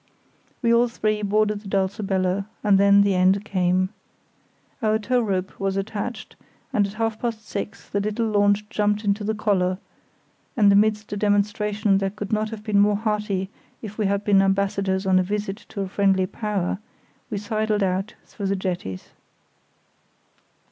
We all three boarded the Dulcibella, and then the end came. Our tow rope was attached, and at half past six the little launch jumped into the collar, and amidst a demonstration that could not have been more hearty if we had been ambassadors on a visit to a friendly power, we sidled out through the jetties.